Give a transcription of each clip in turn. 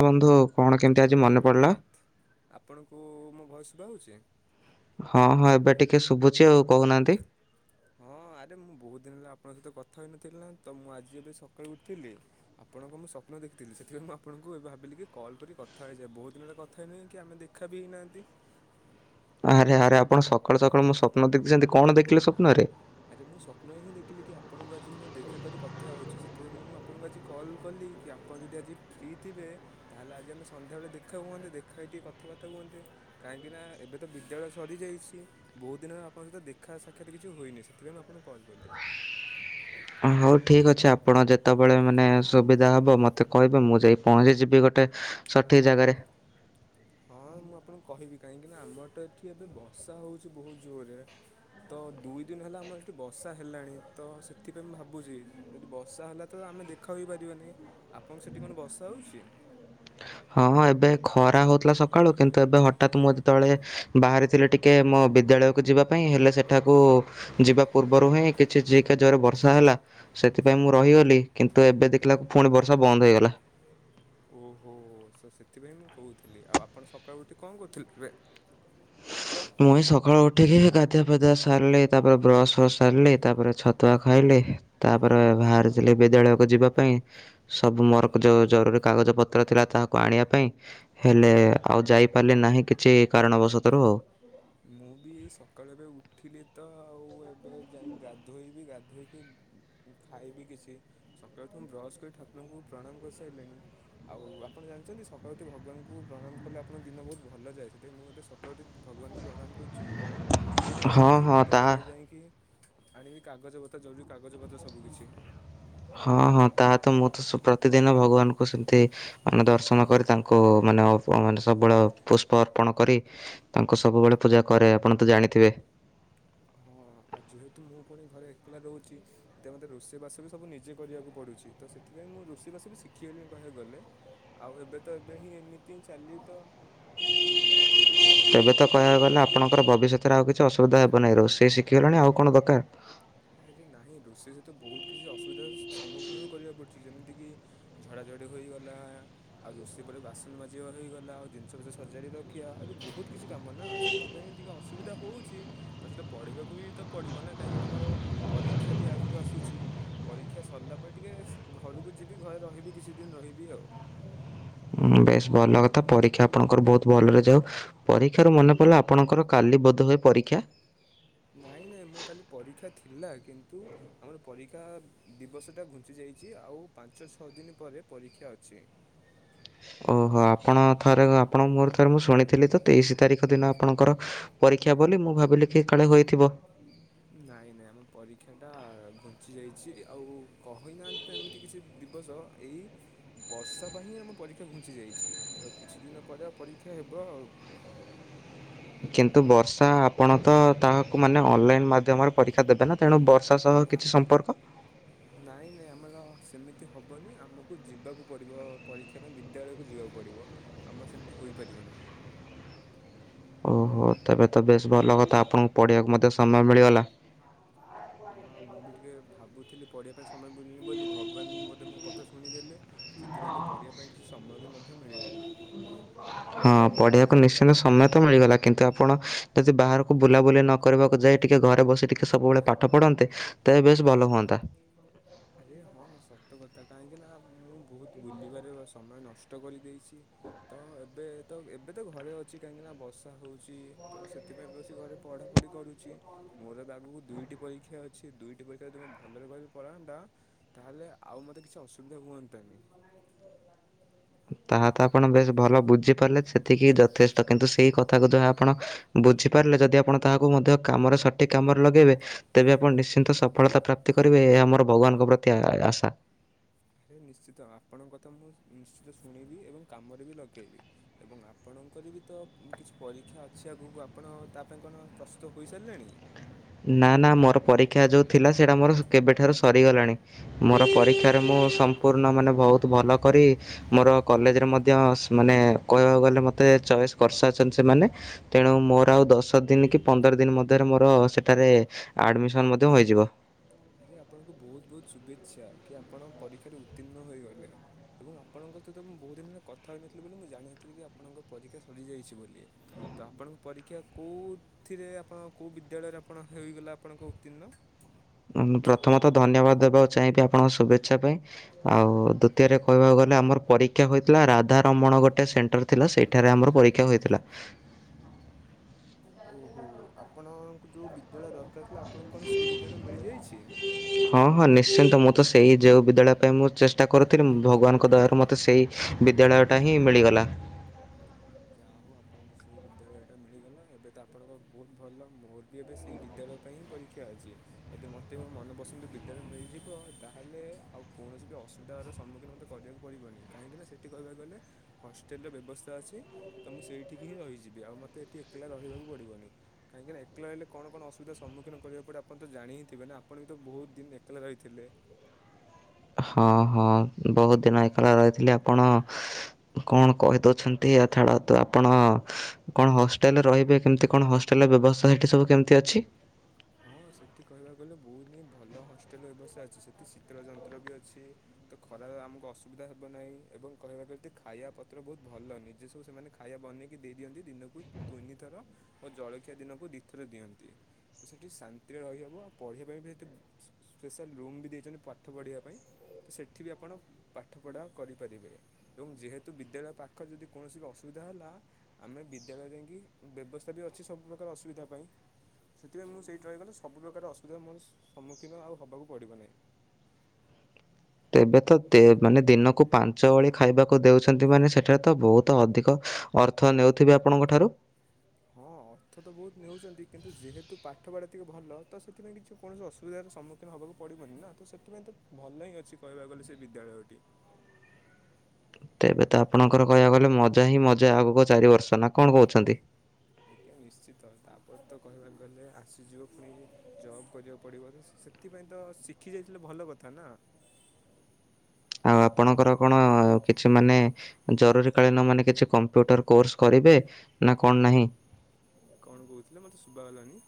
ବନ୍ଧ ଜୟ ଜଗନ୍ନାଥ ଆପଣଙ୍କୁ ମୁଁ ବୟସୁଭ ହେଉଛି। ହଁ ହଁ, ଏବେ ଟିକେ ଶୁଭୁଛି। ଆଉ କହୁନାହାନ୍ତି। ହଁ, ଆରେ ମୁଁ ବହୁତ ଦିନ ହେଲା ଆପଣଙ୍କ ସହିତ କଥା ହେଇନଥିଲି। ତ, ମୁଁ ଆଜି ଏବେ ସକାଳୁ ଉଠଥିଲି। ଆପଣଙ୍କ ମୁଁ ସ୍ୱପ୍ନ ଦେଖିଥିଲି। ସେଥିପାଇଁ ମୁଁ ଆପଣଙ୍କୁ ଏବେ ଭାବିଲି କି କଲ୍ କରି କଥା ହେଇଯାଏ। ବହୁତ ଦିନ ହେଲେ କଥା ହେଇନହି, କି ଆମେ ଦେଖା ବି ହେଇନାହାନ୍ତି। ଆରେ ଆରେ ଆପଣ ସକାଳୁ ସକାଳୁ ମୁଁ ସ୍ୱପ୍ନ ଦେଖିଛନ୍ତି। କଣ ଦେଖିଲେ ସ୍ୱପ୍ନରେ ଆରେ, ମୁଁ ସ୍ୱପ୍ନ ହିଁ ଦେଖିଲି କି ଆପଣଙ୍କୁ ଆଜି ମୁଁ ଦେଖାକ କଥା ହେଉଛି। ସେଥିପାଇଁ ମୁଁ ଆପଣଙ୍କୁ ଆଜି କଲ୍ କଲି କି ଆପଣ ଯଦି ଆଜି ଫ୍ରି ଥିବେ ତାହେଲେ ଆଜି ଆମେ ସନ୍ଧ୍ୟାବେଳେ ଦେଖା ହୁଅନ୍ତେ। ଦେଖା ହେଇକ ଟିକେ କଥାବାର୍ତ୍ତା ହୁଅନ୍ତେ। କାହିଁକି ନା ଏବେ ତ ବିଦ୍ୟାଳୟ ସରିଯାଇଛି। ବହୁତ ଦିନ ଆପଣଙ୍କ ସହିତ ଦେଖା ସାକ୍ଷାତ କିଛି ହୋଇଏନି ସେଥି ତବେ, ମୁଁ ଆପଣଙ୍କୁ କଲ୍ କଲି। ହଉ ଠିକ ଅଛି ଆପଣ ଯେତେବେଳେ ମାନେ ସୁବିଧା ହବ ମତେ କହିବେ। ମୁଁ, ଯାଇ ପହଞ୍ଚିଯିବି ଗୋଟେ ସଠିକ ଜାଗାରେ। ହଁ, ମୁଁ ଆପଣଙ୍କୁ କହିବି କାହିଁକିନା ଆମର ତା ଏଠି ଏବେ ବର୍ଷା ହଉଛି। ବହୁତ ଜୋରରେ ତ ଦୁଇ ଦିନ ହେଲା ଆମର ଏଠି ବର୍ଷା ହେଲାଣି ତ ସେଥିପାଇଁ ମୁଁ ଭାବୁଛି ଯଦି ବର୍ଷା ହେଲା ତ ଆମେ ଦେଖା ହେଇ ପାରିବ। ନାହିଁ ଆପଣଙ୍କ ସେଠି କଣ ବର୍ଷା ହଉଛି? ହଁ, ଏବେ ଖରା ହଉଥିଲା। ସକାଳୁ କିନ୍ତୁ ଏବେ ହଠତ୍ ମୁଁ ଯେ ଯେ ତଳେ ବାହାରିଥିଲି। ଟିକେ ମୋ ବିଦ୍ୟାଳୟକୁ ଯିବା ପାଇଁ ହେଲେ ସେଠାକୁ ଯିବା ପୂର୍ବରୁ ହିଁ କିଛି ଯିକା ଜୋରେ ବର୍ଷା ହେଲା। ସେଥିପାଇଁ ମୁଁ ରହିଗଲି କିନ୍ତୁ ଏବେ ଦେଖିଲା ପୁଣି ବର୍ଷା ବନ୍ଦ ହେଇଗଲା। ଓ ସେଥିପାଇଁ ମୁଁ କହୁଥିଲି। ଆଉ ଆପଣ ସକାଳୁ ଉଠି କଣ କହୁଥିଲେ ଏବେ। ମୁଇଁ ସକାଳୁ ଉଠିକି ଗାଧଆ ପଧଆ ସାରିଲି ତାପରେ ବ୍ରସ୍ ଫସ୍ ସାରିଲି ତାପରେ ଛତୁଆ ଖାଇଲି। ତାପରେ ବାହାରିଥିଲି ବିଦ୍ୟାଳୟକୁ ଯିବା ପାଇଁ ସବୁ ମର୍କ ଯୋଉ ଜରୁରୀ କାଗଜ ପତ୍ର ଥିଲା ତାହାକୁ ଆଣିବା ପାଇଁ ହେଲେ ଆଉ ଯାଇପାରିଲି ନାହିଁ। କିଛି କାରଣବଶ ତ୍ର ମୁଁ, ବି ଏଇ ସକାଳୁ ଏବେ ଉଠିଲି ତ ଆଉ ଏବେ ଯାଇ ଗାଧୋଇବି ଗାଧୋଇକି ଖାଇବି। କିଛି ସକାଳୁ ଉଠ ମୁଁ ବ୍ରସ୍ କରି ଠାକୁରଙ୍କୁ ପ୍ରଣାମ କରିସାରିଲିଣି। ଆଉ ଆପଣ ଜାଣିଛନ୍ତି ସକାଳୁ ଉଠି ଭଗବାନଙ୍କୁ ପ୍ରଣାମ କଲେ ଆପଣଙ୍କ ଦିନ ବହୁତ ଭଲ ଯାଏ ସେଥିପାଇଁ ମୁଁ ଏବେ ସକାଳୁ ଉଠି ଭଗବାନଙ୍କୁ ପ୍ରଣାମ କରୁଛି। ତ, ମୁଁ ବିଦ୍ୟାଳୟ ହଁ ଯାଇନି। ହଁ ତାହା ବିଦ୍ୟାଳୟ ଯାଇକି ଆଣିବି କାଗଜ ପତ୍ର ଯୋଉ ଯଉ କାଗଜ ପତ୍ର ସବୁ କିଛି। ହଁ ହଁ, ତାହା ତ ମୁଁ ତ ପ୍ରତିଦିନ ଭଗବାନଙ୍କୁ ସେମ- ଠିକ୍ ଆମେ ଦର୍ଶନ କରି ତାଙ୍କୁ କୁ ମାନେ ମାନେ ସବୁବେଳେ ପୁଷ୍ପ ଅର୍ପଣ କରି ତାଙ୍କୁ ସବୁବେଳେ ପୂଜା କରେ। ଆପଣ ତ ଜାଣିଥିବେ। ହଁ, ଆଉ ଯେହେତୁ ମୁଁ ପୁଣି ଘରେ ଏକଲା ରହୁଛି। ସେଥି ମୋତେ ରୋଷେଇ ବାସ ବି ସବୁ ନିଜେ କରିବାକୁ ପଡୁଛି। ତ, ସେଥିପାଇଁ ମୁଁ ରୋଷେଇ ବାସ ବି ଶିଖିଗଲି କହିବାକୁ ଗଲେ ଆଉ ଏବେ ତ ଏବେ ହିଁ ଏମିତି ଚାଲି ତ ତେବେ ତ କହିବାକୁ ଗଲେ ଆପଣଙ୍କର ଭବିଷ୍ୟତରେ ଆଉ କିଛି ଅସୁବିଧା ହେବ ନାହିଁ। ରୋଷେଇ ଶିଖିଗଲାଣି ଆଉ କଣ ଦରକାର। ଏ ନାହିଁ ରୋଷେଇରେ ତ ବହୁତ କିଛି ଅସୁ- ସୁବିଧା ସମ୍ମୁଖୀନ ବି କରିବାକୁ ପଡୁଛି। ଯେମିତିକି ଝଡ଼ାଝଡ଼ି ହୋଇଗଲା। ଆଉ ରୋଷେଇ ପରେ ବାସନ ମାଜିବା ହୋଇଇଗଲା। ଆଉ ଜିନିଷ ପଛ ସଜାଡ଼ି ରଖିବା ଆହୁରି ବହୁତ କିଛି କାମ ନା ସେଥିପାଇଁ ଟିକେ ଅସୁବିଧା ହେଉଛି। ତା ସହିତ ପଢ଼ିବାକୁ ବି ତ ପଡ଼ିବ ନା କାହିଁକିନା ଆମର ପରୀକ୍ଷା ବି ଆଗକୁ ଆସୁଛି ପରୀକ୍ଷା ସରିଲା ପରେ ଟିକେ ଘରକୁ ଯିବି। ଘରେ ରହିବି କିଛି ଦିନ ରହିବି ଆଉ। ବେଶ ଭଲ କଥା ପରୀକ୍ଷା ଆପଣଙ୍କର ବହୁତ ଭଲରେ ଯାଉ ପରୀକ୍ଷାରୁ ମନେ ପଡ଼ିଲା ଆପଣଙ୍କର କାଲି ବୋଧ ହୁଏ ପରୀକ୍ଷା। ନାଇଁ ନାଇଁ ମୋ କାଲି ପରୀକ୍ଷା ଥିଲା କିନ୍ତୁ ଆମର ପରୀକ୍ଷା ଦିବର୍ଷ ଟା ଘୁଞ୍ଚି ଯାଇଛି ଆଉ ପାଞ୍ଚ ଛଅ ଦିନ ପରେ ପରୀକ୍ଷା ଅଛି। ଓହୋ ଆପଣ ଥରେ ଆପଣ ମୋର ଥରେ ମୁଁ ଶୁଣିଥିଲି ତ ତେଇଶି ତାରିଖ ଦିନ ଆପଣଙ୍କର ପରୀକ୍ଷା ବୋଲି ମୁଁ ଭାବିଲି କି କାଳେ ହୋଇଥିବ। ନାଇଁ ନାଇଁ ଆମ ପରୀକ୍ଷା ଟା ଘୁଞ୍ଚି ଯାଇଛି। ଆଉ କହିନାହାନ୍ତି ତ ଏମିତି କିଛି ଦିବସ ଏଇ ବର୍ଷା ପାଇଁ ହିଁ ଆମ ପରୀକ୍ଷା ଘୁଞ୍ଚି ଯାଇଛି। ତ କିଛି ଦିନ ପରେ ଆଉ ପରୀକ୍ଷା ହେବ ଆଉ। କିନ୍ତୁ ବର୍ଷା ଆପଣ ତ ତାହାକୁ ମାନେ ଅନଲାଇନ ମାଧ୍ୟମରେ ପରୀକ୍ଷା ଦେବେ ନା। ତେଣୁ ବର୍ଷା ସହ କିଛି ନାଇଁ ସମ୍ପର୍କ। ନାଇଁ ନାଇଁ ଆମର ସେମିତି ହବନି ଆମକୁ ଯିବାକୁ ପଡ଼ିବ ପରୀକ୍ଷା ପାଇଁ ବିଦ୍ୟାଳୟକୁ ଯିବାକୁ ପଡ଼ିବ ଆମ ସେମିତି ହୋଇପାରିବ ନାହିଁ। ଓହୋ ତେବେ ତ ବେଶ ଭଲ କଥା ଆପଣଙ୍କୁ ପଢିବାକୁ ମତେ ସମୟ ମିଳିଗଲା। ହଁ ମୁଁ ବି ଟିକେ ଭାବୁଥିଲି ପଢ଼ିବା ପାଇଁ ମୟ ମିଳୁନି ବୋଲି ଭଗବାନ ବୋଧେ ମୋ କଥା ଶୁଣି ଦେଲେ ସେଥିପାଇଁ ତ ପଢ଼ିବା ପାଇଁ କିଛି ସମୟ ବି ମ ମଧ୍ୟ ମିଳିଗଲା। ହଁ ପଢିବାକୁ ନିଶ୍ଚନ୍ତ ସମୟ ତ ମିଳିଗଲା କିନ୍ତୁ ଆପଣ ଯଦି ବାହାରକୁ ବୁଲାବୁଲି ନ କରିବାକୁ ଯାଇ ଟିକେ ଘରେ ବସି ଟିକେ ସବୁବେଳେ ପାଠ ପଢନ୍ତେ ତେବେ ବେଶ ଭଲ ହୁଅନ୍ତା। ଆରେ ହଁ ସତ କଥା କାହିଁକି ନା ମୁଁ ବୋହୁତ ବୁଲିବାରେ ସମୟ ନଷ୍ଟ କରିଦେଇଛି। ତ ଏବେ ତ ଏବେ ତ ଘରେ ଅଛି କାହିଁକି ନା ବର୍ଷା ହୋଉଚି ତ ସେଥିପାଇଁ ବସି ଘରେ ପଢାପଢ଼ି କରୁଛି ମୋର ଆଗକୁ ଦୁଇଟି ପରୀକ୍ଷା ଅଛି। ଦୁଇଟି ପରୀକ୍ଷା ଯଦି ଭଲରେ ଭଲରେ ପଳାନ୍ତା ତାହେଲେ ଆଉ ମତେ କିଛି ଅସୁବିଧା ହୁଅନ୍ତାନି। ତାହା ତ ଆପଣ ବେଶ ଭଲ ବୁଝିପାରିଲେ ସେତିକି ଯଥେଷ୍ଟ କିନ୍ତୁ ସେଇ କଥାକୁ ଯୋଉ ଆପଣ ବୁଝିପାରିଲେ ଯଦି ଆପଣ ତାହାକୁ ମଧ୍ୟ କାମରେ ସଠିକ କାମରେ ଲଗେଇବେ ତେବେ ଆପଣ ନିଶ୍ଚିନ୍ତ ସଫଳତା ପ୍ରାପ୍ତି କରିବେ ଏହା ଆମର ଭଗବାନଙ୍କ ପ୍ରତି ଆ-ଆଶା। ଆରେ ନିଶ୍ଚିତ ଆପଣଙ୍କ କଥା ମୁଁ ନିଶ୍ଚିତ ଶୁଣିବି ଏବଂ କାମରେ ବି ଲଗେଇବି ଏବଂ ଆପଣଙ୍କର ବି ତ କିଛି ପରୀକ୍ଷା ଅଛି ଆଗକୁ ଆପଣ ତା ପାଇଁ କଣ ପ୍ରସ୍ତୁତ ହୋଇସାରିଲେଣି। ନା ନା ମୋର ପରୀକ୍ଷା ଯୋଉ ଥିଲା ସେଇଟା ମୋର କେବେଠାରୁ ସରିଗଲାଣି ମୋର ପରୀକ୍ଷାରେ ମୁଁ ସମ୍ପୂର୍ଣ୍ଣ ମାନେ ବୋହୁତ ଭଲ କରି ମୋର କଲେଜରେ ମଧ୍ୟ ମାନେ କହିବାକୁ ଗଲେ ମତେ ଚଏସ୍ କରିସାରିଛନ୍ତି ସେମାନେ ତେଣୁ ମୋର ଆଉ ଦଶ ଦିନ କି ପନ୍ଦର ଦିନ ମଧ୍ୟରେ ମୋର ସେ ଥେରେ ଆଡମିସନ ମଧ୍ୟ ହୋଇଯିବ। ଆରେ ଆପଣଙ୍କୁ ବୋହୁତ ବୋହୁତ ଶୁଭେଚ୍ଛା କି ଆପଣ ପରୀକ୍ଷାରେ ଉତ୍ତୀର୍ଣ୍ଣ ହୋଇଗଲେ ଏବଂ ଆପଣଙ୍କ ସହିତ ମୁଁ ବୋହୁତ ଦିନରେ କଥା ହୋଇନଥିଲି ବୋଲି ମୁଁ ଜାଣିନଥିଲି କି ଆପଣଙ୍କ ପରୀକ୍ଷା ସରିଯାଇଛି ବୋଲି। ତ ଆପଣଙ୍କ ପରୀକ୍ଷା କେଉଁଥିରେ ଆପଣ କୌଉ ବିଦ୍ୟାଳୟରେ ଆପଣ ହୋଇଗଲା ଆପଣଙ୍କ ଉତ୍ତୀର୍ଣ୍ଣ? ପ୍ରଥମତଃ ଧନ୍ୟବାଦ ଦେବାକୁ ଚାହିଁବି ଆପଣଙ୍କ ଶୁଭେଚ୍ଛା ପାଇଁ ଆଉ ଦ୍ୱିତୀୟରେ କହିବାକୁ ଗଲେ ଆମର ପରୀକ୍ଷା ହୋଇଥିଲା ରାଧାରମଣ ଗୋଟେ ସେଣ୍ଟର ଥିଲା ସେଇଠାରେ ଆମର ପରୀକ୍ଷା ହୋଇଥିଲା। ଓହୋ ଆପଣଙ୍କୁ ଯୋଉ ବିଦ୍ୟାଳୟର ଙ୍କା ଥିଲା ଆପଣଙ୍କୁ କଁ ସେଇ ବିଦ୍ୟାଳୟ ମିଳିଯାଇଛି? ହଁ ହଁ ନିଶ୍ଚିନ୍ତ ମୁଁ ତ ସେଇ ଯୋଉ ବିଦ୍ୟାଳୟ ପାଇଁ ମୁଁ ଚେଷ୍ଟା କରୁଥିଲି ଭଗବାନଙ୍କ ଦୟାରୁ ମତେ ସେଇ ବିଦ୍ୟାଳୟଟା ହିଁ ମିଳିଗଲା। ଯାହା ହଉ ଆପଣଙ୍କ ସେଇ ବିଦ୍ୟାଳୟଟା ମିଳିଗଲା ଏବେ ତ ଆପଣଙ୍କ ବହୁତ ଭଲ ମୋର ବି ଏବେ ସେଇ ବିଦ୍ୟାଳୟ ପାଇଁ ହିଁ ପରୀକ୍ଷା ଅଛି, ଯଦି ମୋତେ ମୋ ମନପସନ୍ଦ ବିଦ୍ୟାଳୟ ମିଳିଯିବ ତାହେଲେ ଆଉ କୌଣସି ବି ଅସୁବିଧାର ସମ୍ମୁଖୀନ ମୋତେ କରିବାକୁ ପଡ଼ିବନି, କାହିଁକିନା ସେଇଠି କହିବାକୁ ଗଲେ ହଷ୍ଟେଲର ବ୍ୟବସ୍ଥା ଅଛି ତ ମୁଁ ସେଇଠିକି ହିଁ ରହିଯିବି ଆଉ ମତେ ଏଠି ଏକଲା ରହିବାକୁ ପଡିବନି, କାହିଁକିନା ଏକଲା ରହିଲେ କଣ କଣ ଅସୁବିଧା ସମ୍ମୁଖୀନ କରିବାକୁ ପଡେ ଆପଣ ତ ଜାଣି ହିଁ ଥିବେ ନା, ଆପଣ ବି ତ ବହୁତ ଦିନ ଏକଲା ରହିଥିଲେ। ହଁ ହଁ ବହୁତ ଦିନ ଏକଲା ରହିଥିଲି ଆପଣ କଣ କହିଦଉଛନ୍ତି ଆଉ ଛାଡନ୍ତୁ ଆପଣ କଣ ହଷ୍ଟେଲରେ ରହିବେ କେମତି କଣ ହଷ୍ଟେଲ ବ୍ୟବସ୍ଥା ସେଠି ସବୁ କେମିତି ଅଛି? ହଁ ସେଠି କହିବାକୁ ଗଲେ ବହୁତ ହିଁ ଭଲ ହଷ୍ଟେଲ ବ୍ୟବସ୍ଥା ଅଛି, ସେଠି ଶୀତଳ ଯନ୍ତ୍ର ବି ଅଛି, ତ ଖରା ଆମକୁ ଅସୁବିଧା ହେବ ନାହିଁ ଏବଂ କହିବାକୁ ଗଲେ ତ ଖାଇବା ପତ୍ର ବହୁତ ଭଲ ନିଜେ ସବୁ ସେମାନେ ଖାଇବା ବନେଇକି ଦେଇଦିଅନ୍ତି ଦିନକୁ ତିନିଥର ଓ ଜଳଖିଆ ଦିନକୁ ଦିଥର ଦିଅନ୍ତି, ତ ସେଠି ଶା ନ୍ତିରେ ରହିହେବ ଆଉ ପଢ଼ିବା ପାଇଁ ବି ସେଠି ସ୍ପେ-ସ୍ପେଶାଲ୍ ରୁମ୍ ବି ଦେଇଛନ୍ତି ପାଠ ପଢ଼ିବା ପାଇଁ ତ ସେଠି ବି ଆପଣ ପାଠ ପଢ଼ା କରିପାରିବେ, ଏବଂ ଯେହେତୁ ବିଦ୍ୟାଳୟ ପାଖ ଯଦି କୌଣସି ବି ଅସୁବିଧା ହେଲା ଆମେ ବିଦ୍ୟାଳୟ ଯାଇକି ବ୍ୟବସ୍ଥା ବି ଅଛି ସବୁପ୍ରକାର ଅସୁବିଧା ପାଇଁ, ସେଥିପାଇଁ ମୁଁ ସେଇଠି ରହିଗଲେ ସୁ ସବୁ ପ୍ରକାର ଅସୁବିଧା ମୁଁ ସ-ସମ୍ମୁଖୀନ ଆଉ ହବାକୁ ପଡ଼ିବ ନାହିଁ। ଏବେ ତ ମାନେ ଦିନକୁ ପାଞ୍ଚ ଓଳି ଖାଇବାକୁ ଦେଉଛନ୍ତି ମାନେ ସେଠାରେ ତ ବହୁତ ଅଧିକ ଅର୍ଥ ନେଉଥିବେ ଆପଣଙ୍କ ଠାରୁ? ହଁ ଅର୍ଥ ତ ବହୁତ ନେଉଛନ୍ତି କିନ୍ତୁ ଯେହେତୁ ପାଠପଢ଼ା ଟିକେ ଭଲ ତ ସେଥିପାଇଁ କିଛି କୌଣସି ଅସୁବିଧାର ସମ୍ମୁଖୀନ ହେବାକୁ ପଡ଼ିବନି ନା ତ ସେଥିପାଇଁ ତ ଭଲ ହିଁ ଅଛି କହିବାକୁ ଗଲେ ସେ ବିଦ୍ୟାଳୟଟି। ତେବେ ତ ଆପଣଙ୍କର କହିବାକୁ ଗଲେ ମଜା ହିଁ ମଜା ଆଗକୁ ଚାରି ବର୍ଷ ନା କଣ କହୁଛନ୍ତି। ଆଜ୍ଞା ନିଶ୍ଚିତ ତାପରେ ତ କହିବାକୁ ଗଲେ ଆସିଯିବ ପୁଣି ଜବ୍ କରିବାକୁ ପଡିବ ସେଥିପାଇଁ ତ ଶିଖି ଯାଇଥିଲେ ଭଲ କଥା ନା। ଆଉ ଆପଣଙ୍କର କଣ କିଛି ମାନେ ଜରୁରୀ କାଳୀନ ମାନେ କିଛି କମ୍ପ୍ୟୁଟର କୋର୍ସ କରିବେ ନା କଣ ନାହିଁ? କଣ କହୁଥିଲେ ମତେ ଶୁଭା ଗଲାନି?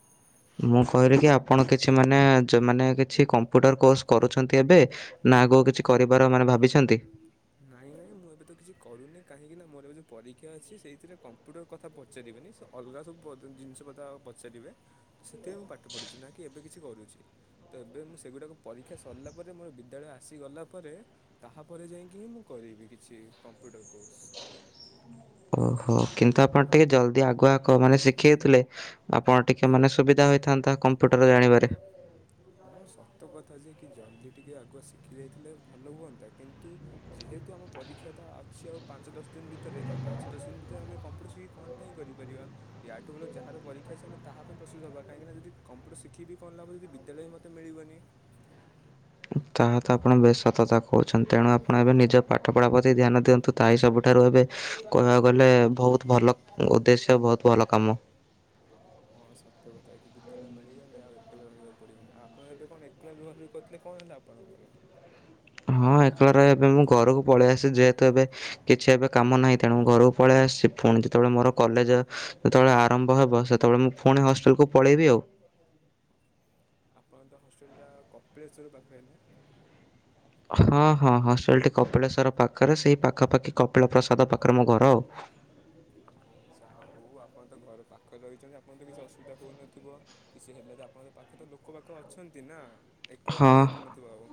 ମୁଁ କହିଲି କି ଆପଣ କିଛି ମାନେ ମାନେ କିଛି କମ୍ପ୍ୟୁଟର କୋର୍ସ କରୁଛନ୍ତି ଏବେ ନା ଆଗକୁ କିଛି କରିବାର ମାନେ ଭାବିଛନ୍ତି? ନାଇଁ ନାଇଁ ମୁଁ ଏବେ ତ କିଛି କରୁନି କାହିଁକି ନା ମୋର ଏବେ ଯେଉଁ ପରୀକ୍ଷା ଅଛି ସେଇଥିରେ କମ୍ପ୍ୟୁଟର କଥା ପଚାରିବେନି ସେ ଅଲଗା ସବୁ ଜିନିଷ କଥା ପଚାରିବେ ସେଥିପାଇଁ ମୁଁ ପାଠ ପଢ଼ୁଛି ନା କି ଏବେ କିଛି କରୁଛି ତ ଏବେ ମୁଁ ସେଗୁଡ଼ାକ ପରୀକ୍ଷା ସରିଲା ପରେ ମୋର ବିଦ୍ୟାଳୟ ଆସିଗଲା ପରେ ତାହାପରେ ଯାଇକି କି ମୁଁ କରିବି କିଛି କମ୍ପ୍ୟୁଟର କୋର୍ସ। ଓହୋ କିନ୍ତୁ ଆପଣ ଟିକେ ଜଲ୍ଦି ଆଗୁଆଗ ମାନେ ଶିଖେଇଥିଲେ ଆପଣ ଟିକେ ମାନେ ସୁବିଧା ହୋଇଥାନ୍ତା କମ୍ପ୍ୟୁଟର ଜାଣିବାରେ। ହଁ ସତ କଥା ଯେ କି ଜଲ୍ଦି ଟିକେ ଆଗୁଆ ଶିଖି ଯାଇଥିଲେ ଭଲ ହୁଅନ୍ତା କିନ୍ତୁ ଯେହେତୁ ଆମ ପରୀକ୍ଷା ତ ଅଛି ଆଉ ପାଞ୍ଚ ଦଶ ଦିନ ଭିତରେ ତ ପାଞ୍ଚ ଦଶ ଦିନ ଭିତରେ ଆମେ କମ୍ପ୍ୟୁଟର ଶିଖିକି କଣଟା ହଁ କରିପାରିବା ୟାଠୁ ବୋଲ ଯାହାର ପରୀକ୍ଷା ଅଛି ଆମେ ତାହା ପାଇଁ ପ୍ରସ୍ତୁତ ହବା କାହିଁକିନା ଯଦି କମ୍ପୁଟର ଶିଖି କଣ ଲାଭ ଯଦି ଦେଲେ ବି ମୋତେ ମିଳିବନି। ତାହା ତ ଆପଣ ବେଶ ସତ କଥା କହୁଛନ୍ତି ତେଣୁ ଆପଣ ଏବେ ନିଜ ପାଠ ପଢା ପ୍ରତି ଧ୍ୟାନ ଦିଅନ୍ତୁ ତାହାହିଁ ସବୁଠାରୁ ଏବେ କହିବାକୁ ଗଲେ ବହୁତ ଭଲ ଉଦ୍ଦେଶ୍ୟ ବହୁତ ଭଲ କାମ। ହଁ ସତ୍ୟ କଥା କି ବିଦ୍ୟାଳୟ ମିଳିଗଲେ ଆଉ ଏକଲା ରହିବାକୁ ପଡିବନି ଆପଣ ଏବେ କଣ ଏକଲା ରୁହା ରୁହି କରିଥିଲେ କଣ ହେଲା ଆପଣଙ୍କର? ହଁ ଏକଲା ରହିବା ପାଇଁ ଏବେ ମୁଁ ଘରକୁ ପଳେଇ ଆସିଛି ଯେହେତୁ ଏବେ କିଛି ଏବେ କାମ ନାହିଁ ତେଣୁ ମୁଁ ଘରକୁ ପଳେଇ ଆସିଛି ପୁଣି ଯେତେବେଳେ ମୋର କଲେଜ ଯେତେବେଳେ ଆରମ୍ଭ ହେବ ସେତେବେଳେ ମୁଁ ପୁଣି ହଷ୍ଟେଲକୁୁ ପଳେଇବି ଆଉ। ଆପଣ ତ ହଷ୍ଟେଲ ଟା କପିଳେଶ୍ଵର ପାଖରେ ନା? ହଁ ହଁ ହଷ୍ଟେଲଟି କପିଳେଶ୍ୱର ପାଖରେ ସେଇ ପାଖାପାଖି କପିଳ ପ୍ରସାଦ ପାଖରେ ମୋ ଘର ଆଉ। ଓହୋ ଯାହା ହଉ ଆପଣ ତ ଘର ପାଖରେ ରହିଛନ୍ତି। ଆପଣ ତ କିଛି ଅସୁବିଧା ହଉନଥିବ କିଛି ହେଲେ ତ ଆପଣଙ୍କ ପାଖ ତ ଲୋକ ପାଖ ଅଛନ୍ତି ନା ଏକଲା ତ ହଁ ରହିବାକୁ ପଡୁନଥିବ ଆଉ।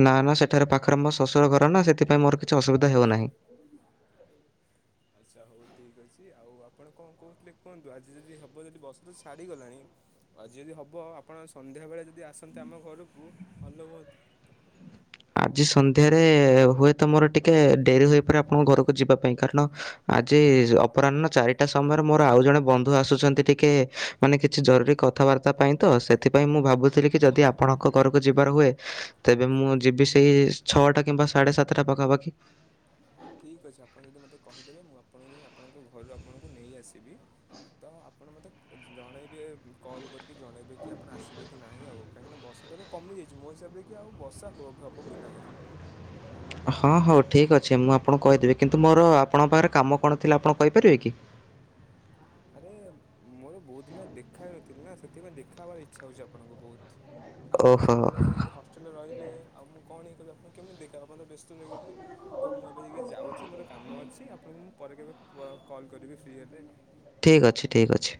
ନା ନା ସେଠାରେ ପାଖରେ ମୋ ଶଶୁର ଘର ନା ସେଥିପାଇଁ ମୋର କିଛି ଅସୁବିଧା ହେଉନାହିଁ। ଆଚ୍ଛା ହଉ ଠିକ ଅଛି ଆଉ ଆପଣ କଣ କହୁଥିଲେ କୁହନ୍ତୁ ଆଜି ଯଦି ହବ ଯଦି ବସ ତ ଛାଡିଗଲାଣି ଆଜି ଯଦି ହବ ଆପଣ ସନ୍ଧ୍ୟା ବେଳେ ଯଦି ଆସନ୍ତେ ଆମ ଘରକୁ ଭଲ ହୁଅନ୍ତା। ଆଜି ସନ୍ଧ୍ୟାରେ ହୁଏ ତ ମୋର ଟିକେ ଡେରି ହୋଇପାରେ ଆପଣଙ୍କ ଘରକୁ ଯିବା ପାଇଁ କାରଣ ଆଜି ଅପରାହ୍ନ ଚାରିଟା ସମୟରେ ମୋର ଆଉ ଜଣେ ବନ୍ଧୁ ଆସୁଛନ୍ତି ଟିକେ ମାନେ କିଛି ଜରୁରୀ କଥାବାର୍ତ୍ତା ପାଇଁ ତ ସେଥିପାଇଁ ମୁଁ ଭାବୁଥିଲି କି ଯଦି ଆପଣଙ୍କ ଘରକୁ ଯିବାର ହୁଏ ତେବେ ମୁଁ ଯିବି ସେଇ ଛଅଟା କିମ୍ବା ସାଢ଼େ ସାତଟା ପାଖାପାଖି ହଁ ଠିକ୍ ଅଛି ଆପଣ ଯଦି ମତେ କହିଦେବେ ମୁଁ ଆପଣଙ୍କୁ ଯାଇ ଆପଣଙ୍କ ଘରୁ ଆପଣଙ୍କୁ ନେଇ ଆସିବି ତ ଆପଣ ମତେ ଜଣେଇବେ କଲ୍ କରିକି ଜଣେଇବେ କି ଆପଣ ଆସିବେ କି ନାହିଁ ଆଉ କାହିଁକିନା ବର୍ଷା ତ ଏବେ କମିଯାଇଛି ମୋ ହିସାବରେ କି ଆଉ ବର୍ଷା ହବ ବି ନାହିଁ। ହଁ ହଉ ଠିକ୍ ଅଛି ମୁଁ ଆପଣଙ୍କୁ କହିଦେବି କିନ୍ତୁ ମୋର ଆପଣଙ୍କ ପାଖରେ କାମ କଣ ଥିଲା ଆପଣ କହିପାରିବେ କି? ଆରେ ମୋର ବହୁତ ଦିନ ଦେଖା ହେଇନଥିଲି ନା ସେଥିପାଇଁ ଦେଖା ହବାର ଇଚ୍ଛା ହଉଛି ଆପଣଙ୍କୁ ବହୁତ। ଆପଣ ଓହୋ ସବୁବେଳେ ହଷ୍ଟେଲରେ ରହିଲେ ଆଉ ମୁଁ କଣ ହେଇ କରିବି ଆପଣଙ୍କୁ କେମିତି ଦେଖିକରିଵି ଆପଣତ ବ୍ୟସ୍ତ ରହିଗଲେ ହଉ ମୁଁ ଏବେ ଯଏ ଯାଉଛି ମୋର କାମ ଅଛି ଆପଣଙ୍କୁ ମୁଁ ପରେ କେବେ କଲ କରିବି ଫ୍ରି ହେଲେ ଆଉ। ଠିକ ଅଛି ଠିକ ଅଛି।